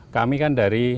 kami kan dari